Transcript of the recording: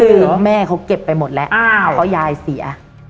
คือแม่เขาเก็บไปหมดแล้วเพราะยายเสีย